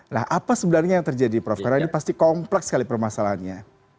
nah apa sebenarnya yang terjadi prof karena ini pasti kompleks sekali permasalahannya